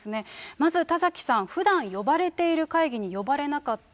まず田崎さん、ふだん呼ばれている会議に呼ばれなかった、